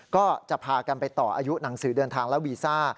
ก็จะพากันไปต่ออายุหนังสือเดินทางและวีซ่า